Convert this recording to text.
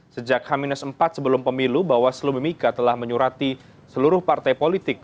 sejak h empat sebelum pemilu bawaslu mimika telah menyurati seluruh partai politik